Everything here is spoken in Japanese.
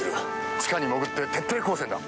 地下に潜って徹底抗戦だ。